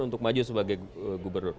untuk maju sebagai gubernur